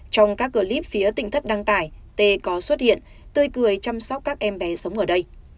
trong các clip phía tỉnh thất đăng tài tê có xuất hiện tươi cười chăm sóc các em bé sống ở đây